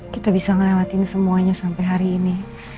kita bisa ngelewatin semuanya sampai hari ini